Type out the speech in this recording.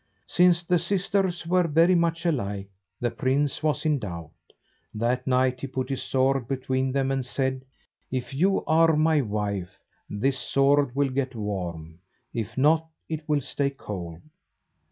Since the sisters were very much alike, the prince was in doubt. That night he put his sword between them, and said: "If you are my wife, this sword will get warm; if not, it will stay cold."